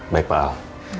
baik pak al